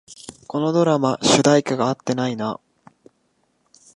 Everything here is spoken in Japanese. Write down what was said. このドラマ、主題歌が合ってないな